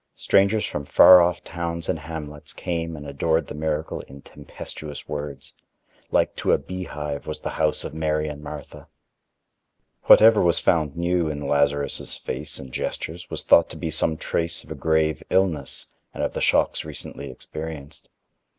Strangers from far off towns and hamlets came and adored the miracle in tempestuous words. Like to a beehive was the house of Mary and Martha. Whatever was found new in Lazarus' face and gestures was thought to be some trace of a grave illness and of the shocks recently experienced.